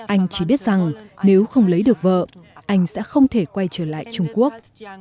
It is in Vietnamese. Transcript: anh chỉ biết rằng nếu không lấy được vợ anh sẽ không thể quay trở lại trung quốc